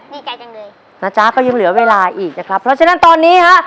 ดีใจจังเลยนะจ๊ะก็ยังเหลือเวลาอีกนะครับเพราะฉะนั้นตอนนี้ฮะ